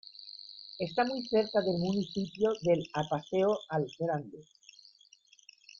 Está muy cerca del municipio de Apaseo el Grande.